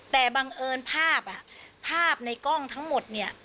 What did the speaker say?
แต่บังเอิญภาพภาพในกล้องทั้งหมดเนี่ย